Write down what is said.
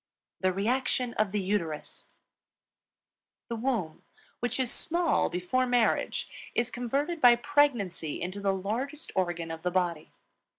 THE REACTION OF THE UTERUS. The womb, which is small before marriage, is converted by pregnancy into the largest organ of the body.